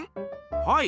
はい。